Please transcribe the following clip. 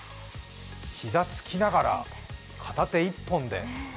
膝つきながら、片手１本で。